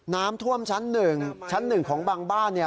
น้ำท่วมชั้นหนึ่งชั้นหนึ่งของบางบ้านเนี่ย